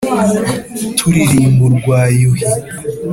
Turirimba urwa Yuhi